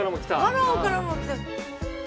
パラオからも来てる。